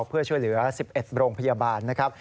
เพื่อช่วยเหลือ๑๑โรงพยาบาลนะครับ